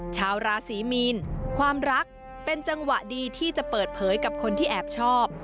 ชาวราศีมีนความรักเป็นจังหวะดีที่จะเปิดเผยกับคนที่แอบชอบ